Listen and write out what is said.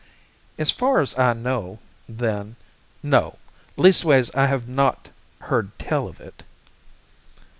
"As far as I know, then, no; leastways, I have not heard tell of it."